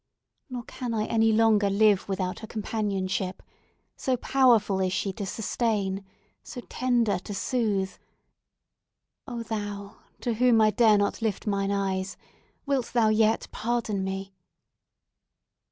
Neither can I any longer live without her companionship; so powerful is she to sustain—so tender to soothe! O Thou to whom I dare not lift mine eyes, wilt Thou yet pardon me?"